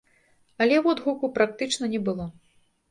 Але водгуку практычна не было.